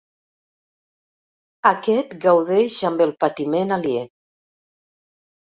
Aquest gaudeix amb el patiment aliè.